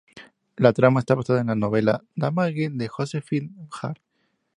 La trama está basada en la novela "Damage", de Josephine Hart.